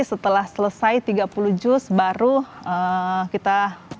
setelah selesai tiga puluh juz baru kita